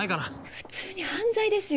普通に犯罪ですよ